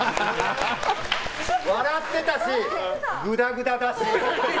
笑ってたしぐだぐだだし。